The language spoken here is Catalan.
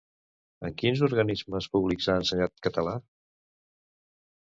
En quins organismes públics ha ensenyat català?